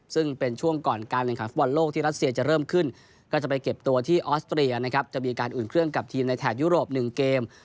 ซึ่งเป็นช่วงก่อนการแข่งขันฟุตบอลโลกที่รัสเซียจะเริ่มขึ้นก็จะไปเก็บตัวที่ออสเตรียนะครับจะมีการอุ่นเครื่องกับทีมในแถบยุโรป๑เกม